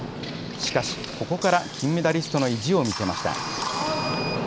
しかし、ここから金メダリストの意地を見せました。